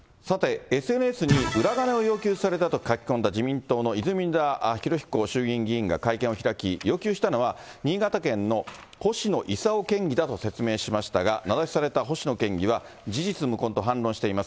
さて、ＳＮＳに裏金を要求されたと書き込んだ自民党の泉田裕彦衆議院議員が会見を開き、要求したのは新潟県の星野伊佐夫県議だと説明しましたが、名指しされた星野県議は事実無根と反論しています。